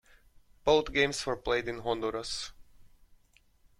Both games were played in Honduras.